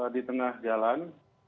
di tengah jalan